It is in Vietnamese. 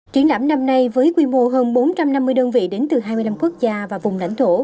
triển lãm năm nay với quy mô hơn bốn trăm năm mươi đơn vị đến từ hai mươi năm quốc gia và vùng lãnh thổ